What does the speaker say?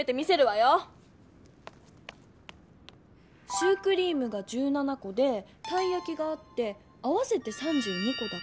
シュークリームが１７こでたいやきがあって合わせて３２こだからん？